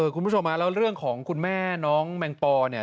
คุณผู้ชมแล้วเรื่องของคุณแม่น้องแมงปอเนี่ย